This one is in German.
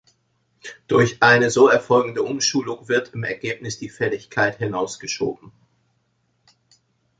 Durch eine so erfolgende Umschuldung wird im Ergebnis die Fälligkeit hinausgeschoben.